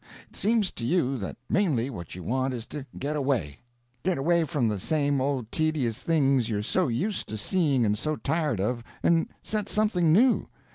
It seems to you that mainly what you want is to get away; get away from the same old tedious things you're so used to seeing and so tired of, and set something new.